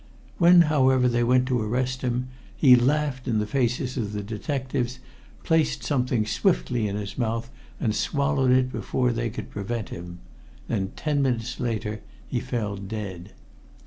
When, however, they went to arrest him, he laughed in the faces of the detectives, placed something swiftly in his mouth and swallowed it before they could prevent him then ten minutes later he fell dead.